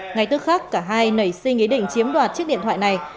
ngay tức khác cả hai nảy sinh ý định chiếm đoạt chiếc điện thoại này